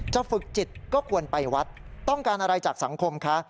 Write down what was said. ฝึกจิตก็ควรไปวัดต้องการอะไรจากสังคมคะ